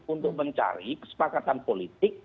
untuk mencari kesepakatan politik